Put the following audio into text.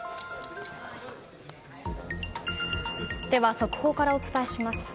速報からお伝えします。